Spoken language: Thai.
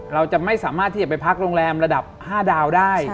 เราจะไม่สามารถที่จะไปพักโรงแรมระดับ๕ดาวได้